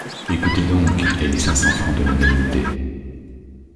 Écoutez donc, et les cinq cents francs de l’indemnité